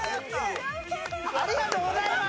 ありがとうございます！